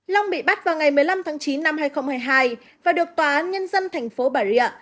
long bị bắt vào ngày một mươi năm tháng chín năm hai nghìn hai mươi hai và được tòa án nhân dân tp bà rượu